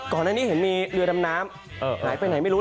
ก่อนหน้านี้เห็นมีเรือดำน้ำหายไปไหนไม่รู้